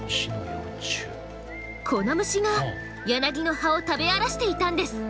この虫がヤナギの葉を食べ荒らしていたんです。